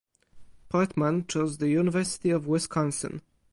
Portmann chose the University of Wisconsin.